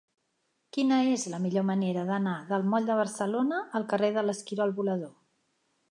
Quina és la millor manera d'anar del moll de Barcelona al carrer de l'Esquirol Volador?